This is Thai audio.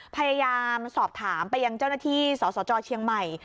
พยายามสอบถามไปยังเจ้าหน้าที่สสจเชียงใหม่